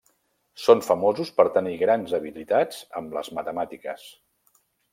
Són famosos per tenir grans habilitats amb les matemàtiques.